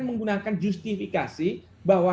menggunakan justifikasi bahwa